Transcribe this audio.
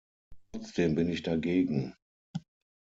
Trotzdem bin ich dagegen.